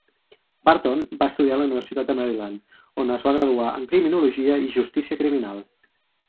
Barton va estudiar a la Universitat de Maryland, on es va graduar en Criminologia i justícia criminal.